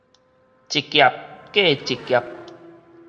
一劫過一劫